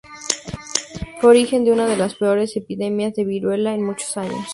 Fue origen de una de las peores epidemias de viruela en muchos años.